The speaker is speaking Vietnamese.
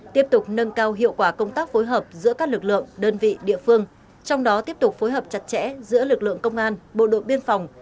tiếp tục nâng cao hiệu quả công tác phối hợp giữa các lực lượng đơn vị địa phương trong đó tiếp tục phối hợp chặt chẽ giữa lực lượng công an bộ đội biên phòng